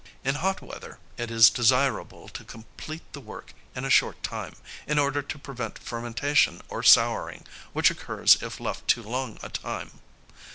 In hot weather it is desirable to complete the work in a short time, in order to prevent fermentation or souring, which occurs if left too long a time.